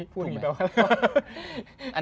พูดอย่างนี้แปลว่า